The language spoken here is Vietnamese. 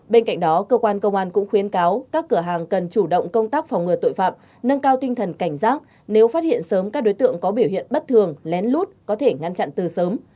bên cạnh đó cơ quan công an cũng khuyến cáo các cửa hàng cần chủ động công tác phòng ngừa tội phạm nâng cao tinh thần cảnh giác nếu phát hiện sớm các đối tượng có biểu hiện bất thường lén lút có thể ngăn chặn từ sớm